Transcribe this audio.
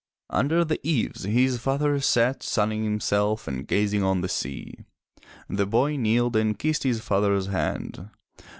Under the eaves his father sat sunning himself and gazing on the sea. The boy kneeled and kissed his father's hand.